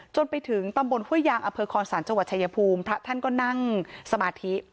จนถึงตำบลห้วยยางอเภอคอนศาลจังหวัดชายภูมิพระท่านก็นั่งสมาธิ